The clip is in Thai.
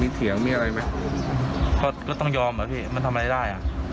เสียงมีอะไรไหมก็ต้องยอมอ่ะพี่มันทำอะไรได้อ่ะ